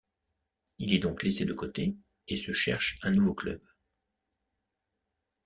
Il est donc laissé de côté, et se cherche un nouveau club.